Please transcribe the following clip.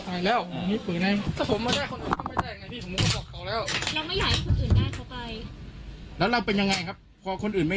ตายแล้วผมมีปลืนน่ะ